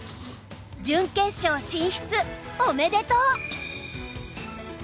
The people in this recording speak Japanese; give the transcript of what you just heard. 準決勝進出おめでとう！